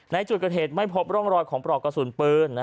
ในจุดเกิดเหตุไม่พบร่องรอยของปลอกกระสุนปืน